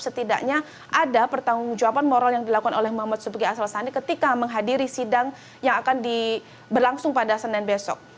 setidaknya ada pertanggung jawaban moral yang dilakukan oleh muhammad sebagai asal sandi ketika menghadiri sidang yang akan berlangsung pada senin besok